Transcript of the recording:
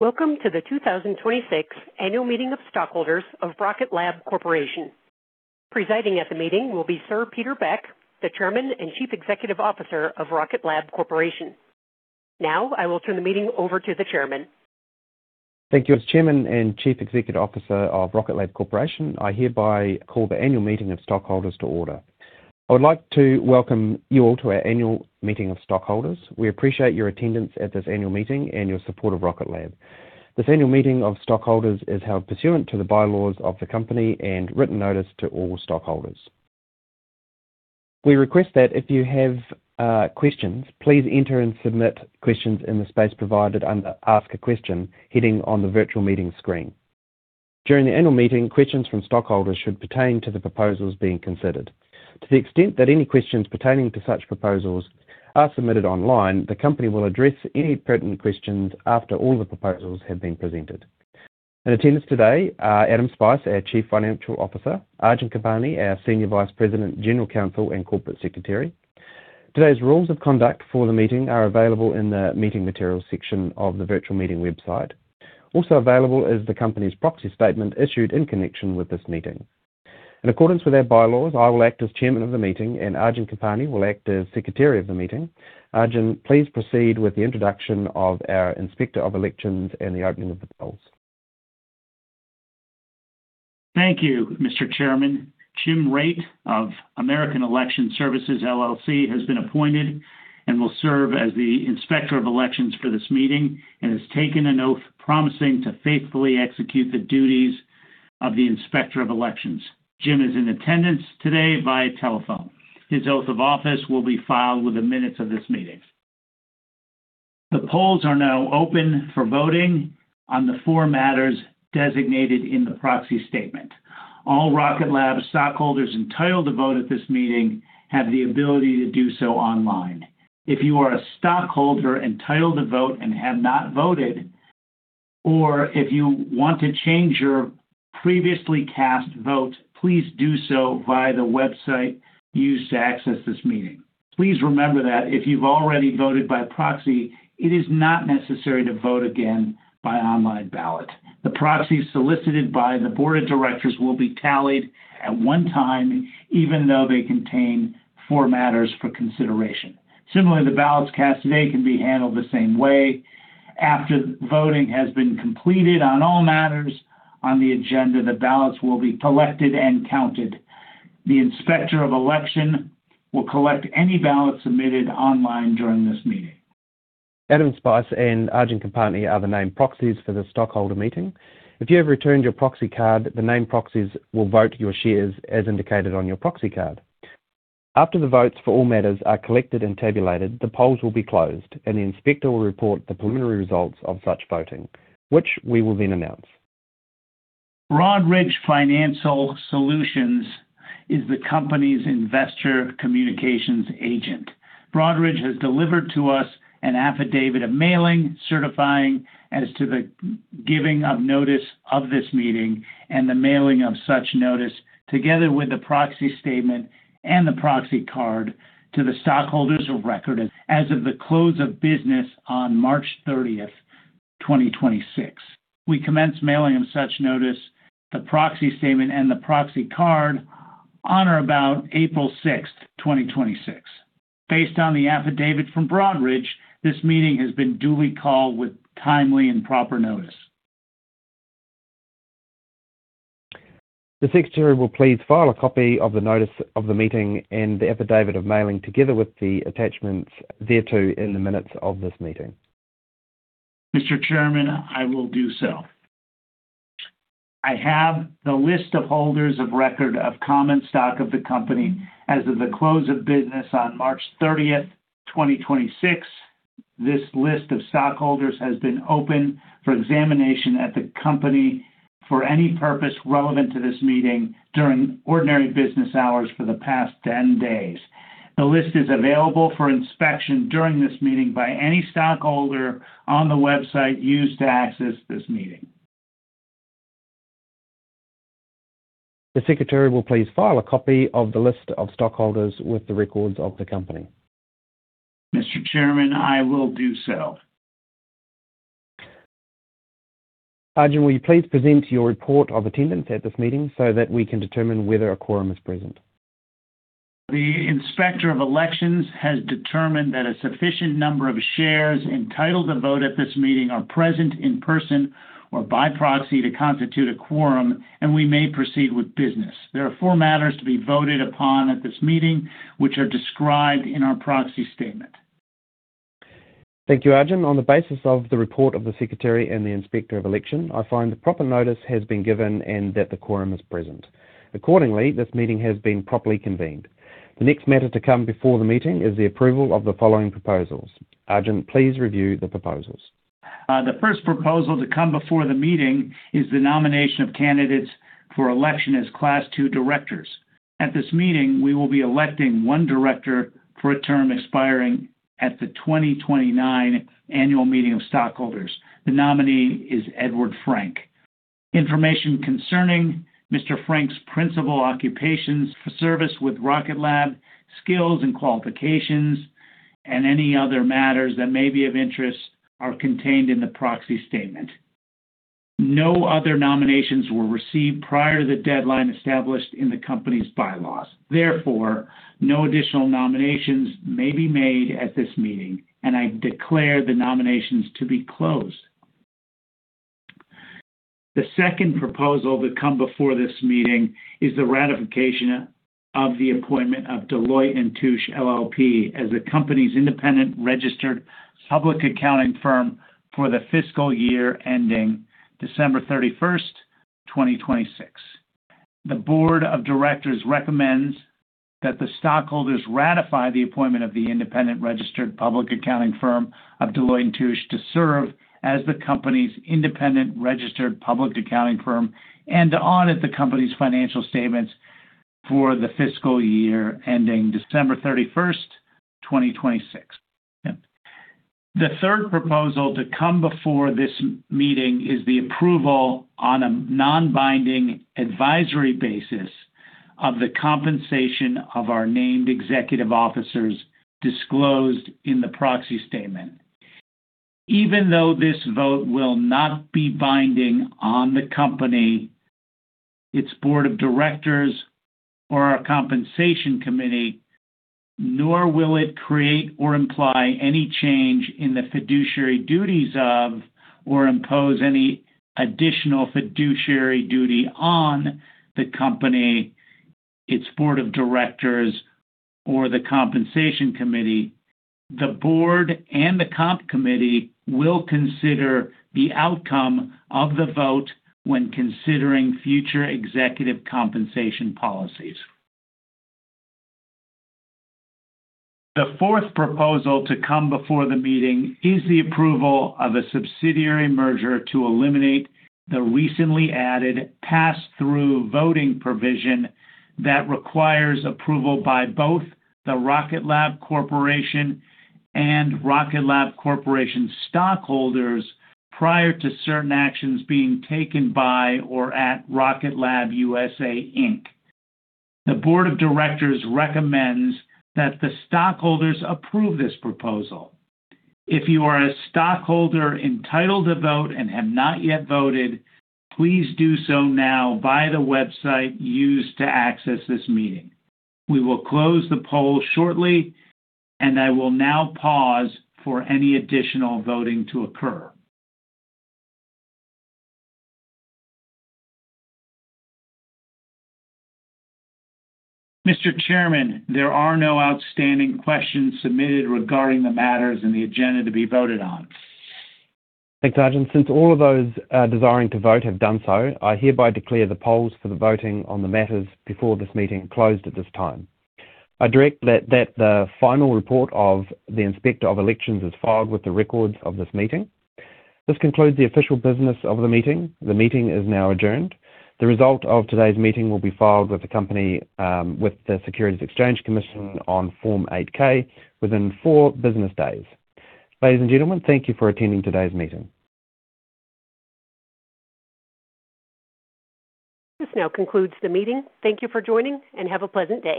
Welcome to the 2026 Annual Meeting of Stockholders of Rocket Lab Corporation. Presiding at the meeting will be Sir Peter Beck, the Chairman and CEO of Rocket Lab Corporation. Now, I will turn the meeting over to the chairman. Thank you. As Chairman and CEO of Rocket Lab Corporation, I hereby call the annual meeting of stockholders to order. I would like to welcome you all to our annual meeting of stockholders. We appreciate your attendance at this annual meeting and your support of Rocket Lab. This annual meeting of stockholders is held pursuant to the bylaws of the company and written notice to all stockholders. We request that if you have questions, please enter and submit questions in the space provided under Ask a Question Heading on the virtual meeting screen. During the annual meeting, questions from stockholders should pertain to the proposals being considered. To the extent that any questions pertaining to such proposals are submitted online, the company will address any pertinent questions after all the proposals have been presented. In attendance today are Adam Spice, our CFOr, Arjun Kampani, our SVP, General Counsel, and Corporate Secretary. Today's rules of conduct for the meeting are available in the Meeting Materials section of the virtual meeting website. Also available is the company's proxy statement issued in connection with this meeting. In accordance with our bylaws, I will act as Chairman of the meeting, and Arjun Kampani will act as Secretary of the meeting. Arjun, please proceed with the introduction of our Inspector of Elections and the opening of the polls. Thank you, Mr. Chairman. Jim Rath of American Election Services, LLC, has been appointed and will serve as the Inspector of Elections for this meeting and has taken an oath promising to faithfully execute the duties of the Inspector of Elections. Jim is in attendance today via telephone. His oath of office will be filed with the minutes of this meeting. The polls are now open for voting on the four matters designated in the proxy statement. All Rocket Lab stockholders entitled to vote at this meeting have the ability to do so online. If you are a stockholder entitled to vote and have not voted, or if you want to change your previously cast vote, please do so via the website used to access this meeting. Please remember that if you've already voted by proxy, it is not necessary to vote again by online ballot. The proxies solicited by the board of directors will be tallied at 1 time, even though they contain 4 matters for consideration. Similarly, the ballots cast today can be handled the same way. After voting has been completed on all matters on the agenda, the ballots will be collected and counted. The Inspector of Election will collect any ballot submitted online during this meeting. Adam Spice and Arjun Kampani are the named proxies for the stockholder meeting. If you have returned your proxy card, the named proxies will vote your shares as indicated on your proxy card. After the votes for all matters are collected and tabulated, the polls will be closed, and the inspector will report the preliminary results of such voting, which we will then announce. Broadridge Financial Solutions is the company's investor communications agent. Broadridge has delivered to us an affidavit of mailing, certifying as to the giving of notice of this meeting and the mailing of such notice, together with the proxy statement and the proxy card to the stockholders of record as of the close of business on March 30th, 2026. We commenced mailing of such notice, the proxy statement, and the proxy card on or about April 6th, 2026. Based on the affidavit from Broadridge, this meeting has been duly called with timely and proper notice. The Secretary will please file a copy of the notice of the meeting and the affidavit of mailing together with the attachments thereto in the minutes of this meeting. Mr. Chairman, I will do so. I have the list of holders of record of common stock of the company as of the close of business on March 30th, 2026. This list of stockholders has been open for examination at the company for any purpose relevant to this meeting during ordinary business hours for the past 10 days. The list is available for inspection during this meeting by any stockholder on the website used to access this meeting. The Secretary will please file a copy of the list of stockholders with the records of the company. Mr. Chairman, I will do so. Arjun, will you please present your report of attendance at this meeting so that we can determine whether a quorum is present? The Inspector of Elections has determined that a sufficient number of shares entitled to vote at this meeting are present in person or by proxy to constitute a quorum, and we may proceed with business. There are 4 matters to be voted upon at this meeting, which are described in our proxy statement. Thank you, Arjun. On the basis of the report of the Secretary and the Inspector of Election, I find the proper notice has been given and that the quorum is present. Accordingly, this meeting has been properly convened. The next matter to come before the meeting is the approval of the following proposals. Arjun, please review the proposals. The first proposal to come before the meeting is the nomination of candidates for election as Class II directors. At this meeting, we will be electing one director for a term expiring at the 2029 annual meeting of stockholders. The nominee is Edward Frank. Information concerning Mr. Frank's principal occupations for service with Rocket Lab, skills and qualifications, and any other matters that may be of interest are contained in the proxy statement. No other nominations were received prior to the deadline established in the company's bylaws. Therefore, no additional nominations may be made at this meeting, and I declare the nominations to be closed. The second proposal to come before this meeting is the ratification of the appointment of Deloitte & Touche LLP as the company's independent registered public accounting firm for the fiscal year ending December 31st, 2026. The board of directors recommends that the stockholders ratify the appointment of the independent registered public accounting firm of Deloitte & Touche to serve as the company's independent registered public accounting firm and to audit the company's financial statements for the fiscal year ending December 31st, 2026. The third proposal to come before this meeting is the approval on a non-binding advisory basis of the compensation of our named executive officers disclosed in the proxy statement. Even though this vote will not be binding on the company, its board of directors, or our compensation committee, nor will it create or imply any change in the fiduciary duties of, or impose any additional fiduciary duty on the company, its board of directors, or the compensation committee, the board and the comp committee will consider the outcome of the vote when considering future executive compensation policies. The fourth proposal to come before the meeting is the approval of a subsidiary merger to eliminate the recently added pass-through voting provision that requires approval by both the Rocket Lab Corporation and Rocket Lab Corporation stockholders prior to certain actions being taken by or at Rocket Lab USA, Inc. The board of directors recommends that the stockholders approve this proposal. If you are a stockholder entitled to vote and have not yet voted, please do so now via the website used to access this meeting. We will close the poll shortly, and I will now pause for any additional voting to occur. Mr. Chairman, there are no outstanding questions submitted regarding the matters in the agenda to be voted on. Thanks, Arjun. Since all of those desiring to vote have done so, I hereby declare the polls for the voting on the matters before this meeting closed at this time. I direct that the final report of the Inspector of Elections is filed with the records of this meeting. This concludes the official business of the meeting. The meeting is now adjourned. The result of today's meeting will be filed with the Securities and Exchange Commission on Form 8-K within 4 business days. Ladies and gentlemen, thank you for attending today's meeting. This now concludes the meeting. Thank you for joining, and have a pleasant day.